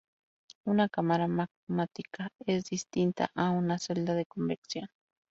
Una cámara magmática es distinta a una celda de convección.